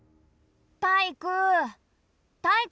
タイイク。